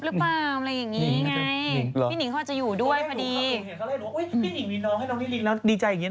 พี่นิ่งมีน้องให้น้องนี้ดีแล้วดีใจอย่างนี้น่ะ